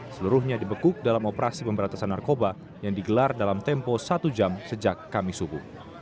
seluruhnya dibekuk dalam operasi pemberantasan narkoba yang digelar dalam tempo satu jam sejak kami subuh